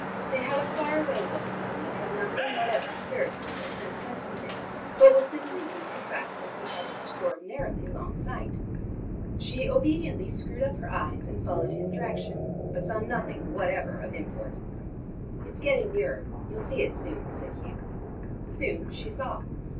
They had a far away look in them that had nothing whatever spiritual or sentimental in it, but was simply due to the fact that he had extraordinarily long sight. She obediently screwed up her eyes and followed his direction, but saw nothing whatever of import. "It's getting nearer: you'll see it soon," said Hugh. Soon she saw.